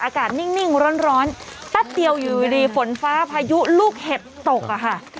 อากาศนิ่งร้อนแป๊บเดียวอยู่ดีฝนฟ้าพายุลูกเห็บตกอะค่ะ